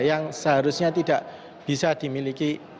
yang seharusnya tidak bisa dimiliki